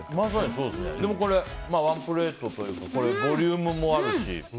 ワンプレートというかボリュームもあるし。